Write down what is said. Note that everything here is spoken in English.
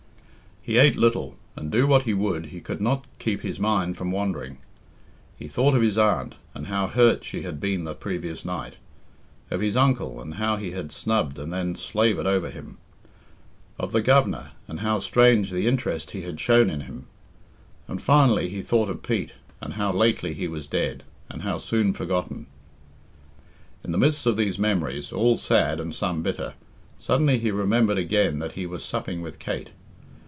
He ate little; and, do what he would, he could not keep his mind from wandering. He thought of his aunt, and how hurt she had been the previous night; of his uncle, and how he had snubbed and then slavered over him; of the Governor, and how strange the interest he had shown in him; and finally, he thought of Pete, and how lately he was dead, and how soon forgotten. In the midst of these memories, all sad and some bitter, suddenly he remembered again that he was supping with Kate.